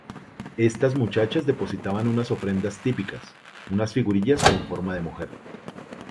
Estas muchachas depositaban una ofrendas típicas, unas figurillas con forma de mujer.